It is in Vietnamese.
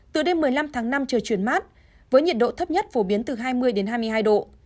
từ đêm một mươi năm tháng năm trời chuyển mát với nhiệt độ thấp nhất phổ biến từ hai mươi đến hai mươi hai độ